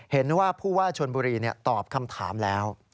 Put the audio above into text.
เห็นว่าผู้ว่าชนบุรีตอบคำถามแล้ว